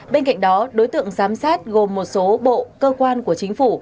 bên cạnh đó đối tượng giám sát gồm một số bộ cơ quan của chính phủ